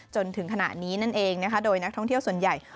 จนถึงขณะนี้นั่นเองนะคะโดยนักท่องเที่ยวส่วนใหญ่